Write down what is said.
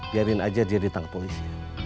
biarin aja dia ditangkap polisi